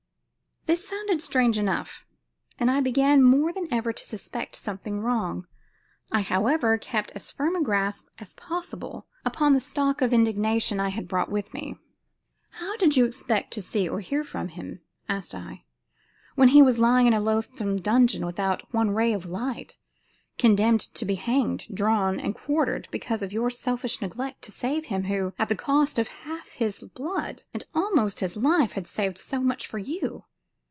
This sounded strange enough, and I began more than ever to suspect something wrong. I, however, kept as firm a grasp as possible upon the stock of indignation I had brought with me. "How did you expect to see or hear from him," asked I, "when he was lying in a loathsome dungeon without one ray of light, condemned to be hanged, drawn and quartered, because of your selfish neglect to save him who, at the cost of half his blood, and almost his life, had saved so much for you?"